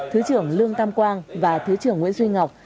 thứ trưởng lương tam quang và thứ trưởng nguyễn duy ngọc